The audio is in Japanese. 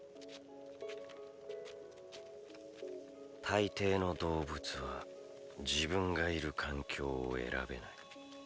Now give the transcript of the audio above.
大抵の動物は自分がいる環境を選べない。